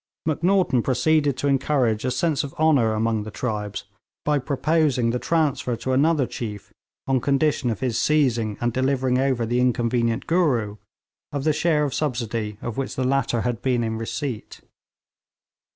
Macnaghten proceeded to encourage a sense of honour among the tribes by proposing the transfer to another chief, on condition of his seizing and delivering over the inconvenient 'Gooroo,' of the share of subsidy of which the latter had been in receipt.